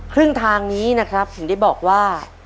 ครึ่งทางนี้นะครับถึงได้บอกว่า